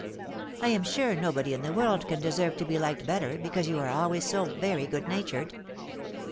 "I am sure nobody in the world can deserve to be Hked bet ter, because you are always so very good natured."